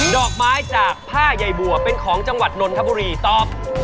ดอกไม้จากผ้าใยบัวเป็นของจังหวัดนนทบุรีตอบ